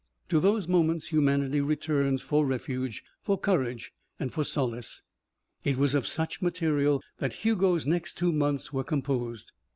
To those moments humanity returns for refuge, for courage, and for solace. It was of such material that Hugo's next two months were composed.